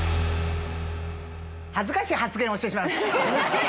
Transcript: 恥ずかしい発言をしてしまいました。